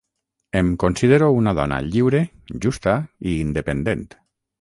Em considero una dona lliure, justa i independent.